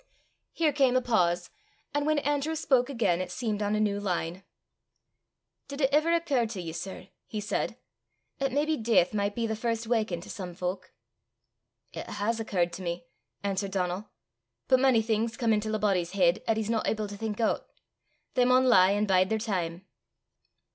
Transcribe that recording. Here came a pause, and when Andrew spoke again, it seemed on a new line. "Did it ever occur to ye, sir," he said, "'at maybe deith micht be the first waukin' to some fowk?" "It has occurrt to me," answered Donal; "but mony things come intil a body's heid 'at he's no able to think oot! They maun lie an' bide their time."